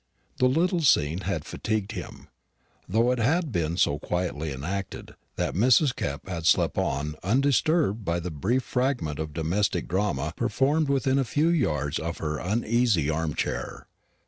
The little scene had fatigued him; though it had been so quietly enacted, that Mrs. Kepp had slept on undisturbed by the brief fragment of domestic drama performed within a few yards of her uneasy arm chair.